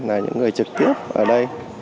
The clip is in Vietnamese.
là những người trực tiếp ở đây